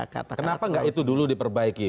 kenapa nggak itu dulu diperbaiki